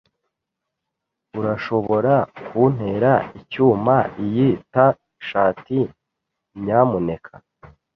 Urashobora kuntera icyuma iyi T-shirt, nyamuneka?